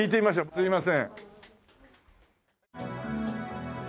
すいません。